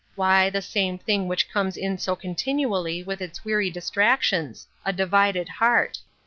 Why, the same thing which comes in so continually with its weary distractions — a divided heart.